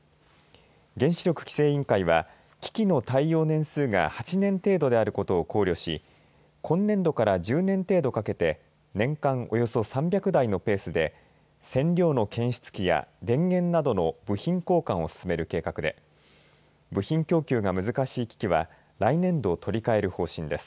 原子力規制委員会は危機の耐用年数が８年程度であることを考慮し今年度から１０年程度かけて年間およそ３００台のペースで線量の検出器や電源などの部品交換を進める計画で部品供給が難しいときは来年度取り替える方針です。